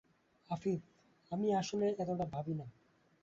আফিফ: আমি আসলে এতটা ভাবি না।